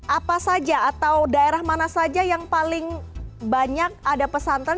apa saja atau daerah mana saja yang paling banyak ada pesantren